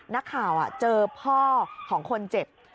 นักข่าวเจอพ่อของคนเจ็บ